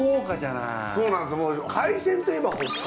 そうなんです。